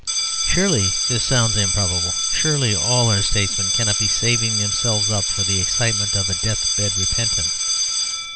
Surely this sounds improbable. Surely all our statesmen cannot be saving themselves up for the excitement of a death bed repentance.